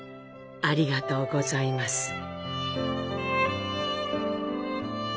ありがとうございます。